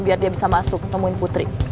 biar dia bisa masuk nemuin putri